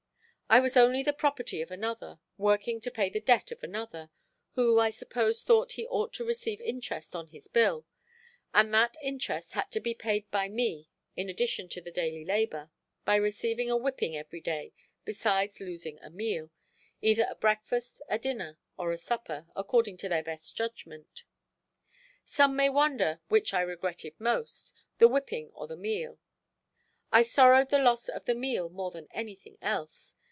I was only the property of another, working to pay the debt of another, who I suppose thought he ought to receive interest on his bill; and that interest had to be paid by me in addition to the daily labor, by receiving a whipping every day besides losing a meal—either a breakfast, a dinner, or a supper—according to their best judgment. Some may wonder which I regretted most, the whipping or the meal. I sorrowed the loss of the meal more than anything else.